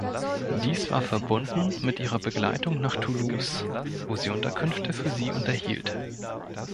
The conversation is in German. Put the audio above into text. Dies war verbunden mit ihrer Begleitung nach Toulouse, wo sie Unterkünfte für sie unterhielt.